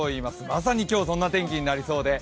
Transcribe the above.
まさに今日、そんな天気になりそうです。